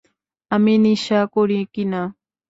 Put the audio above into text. আমি নিশা করি কিনা?